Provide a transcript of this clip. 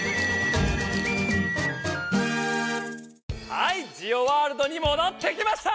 はいジオワールドにもどってきました！